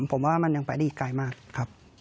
ผมว่ามันยังไปได้อีกไกลมากครับ